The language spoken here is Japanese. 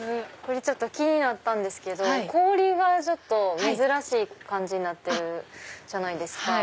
ちょっと気になったんですけど氷が珍しい感じになってるじゃないですか。